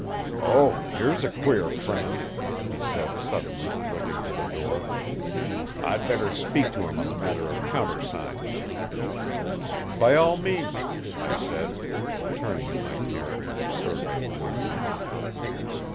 "Oh, here's a queer friend," he said suddenly, looking to the door. "I'd better speak to him on the matter of countersigns." "By all means," I said, turning in my chair to survey the new comer.